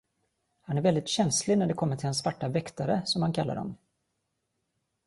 Han är väldigt känslig när det kommer till hans svarta väktare, som han kallar dem.